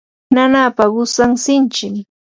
nanaapa qusan sinchim.